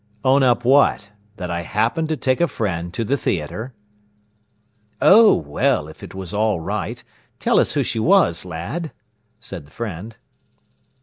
"Own up what? That I happened to take a friend to the theatre?" "Oh well, if it was all right, tell us who she was, lad," said the friend.